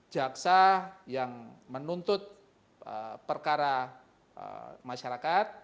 jaksa yang menuntut perkara masyarakat